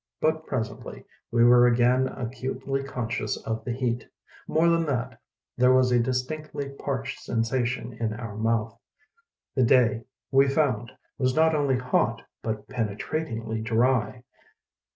But presently we were again acutely conscious of the heat. More than that, there was a distinctly parched sensa tion in our mouth. The day, we found, was not only hot but penetratingly dry.